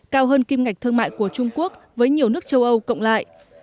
cao hơn kim ngạch thương mại của trung quốc với nhiều nước châu âu cộng lại